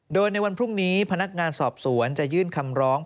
โดยในวันพรุ่งนี้พนักงานสอบสวนจะยื่นคำร้อง